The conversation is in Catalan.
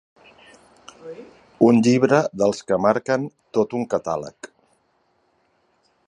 Un llibre dels que marquen tot un catàleg.